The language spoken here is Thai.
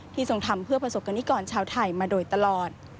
ทรงทำเพื่อประสบกรณิกรชาวไทยมาโดยตลอด